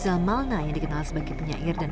sudah menjadi tanda tanda yang menarik